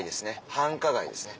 繁華街ですね。